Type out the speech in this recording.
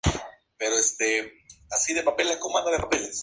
Giddens y Eddie House a cambio de Nate Robinson y Marcus Landry.